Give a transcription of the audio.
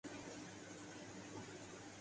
film مداری رٹ cinema میں عمدہ اضافہ